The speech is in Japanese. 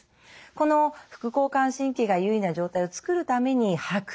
この副交感神経が優位な状態を作るために吐く。